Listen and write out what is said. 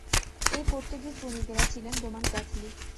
এই পর্তুগীজ বণিকেরা ছিলেন Roman Catholic.